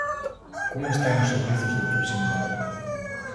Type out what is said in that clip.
¿Como están os servizos de proximidade?